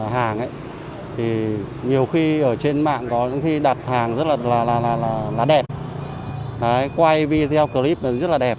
hàng thì nhiều khi ở trên mạng có những khi đặt hàng rất là đẹp quay video clip rất là đẹp